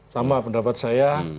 sama pendapat saya